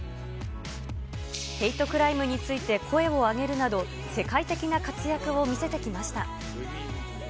ヘイトクライムについて声を上げるなど、世界的な活躍を見せてきました。